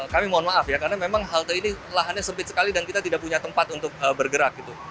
kami mohon maaf ya karena memang halte ini lahannya sempit sekali dan kita tidak punya tempat untuk bergerak gitu